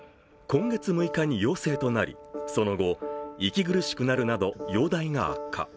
今月６日に陽性となり、その後、息苦しくなるなど容体が悪化。